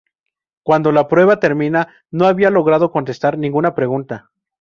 Cuando la prueba termina, no había logrado contestar ninguna pregunta.